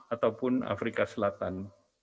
ataupun afrika selatan